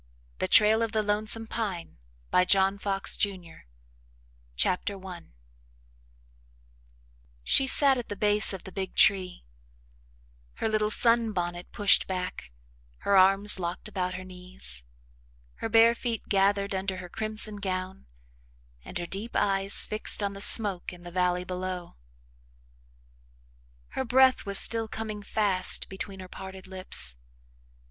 S. THE TRAIL OF THE LONESOME PINE I She sat at the base of the big tree her little sunbonnet pushed back, her arms locked about her knees, her bare feet gathered under her crimson gown and her deep eyes fixed on the smoke in the valley below. Her breath was still coming fast between her parted lips.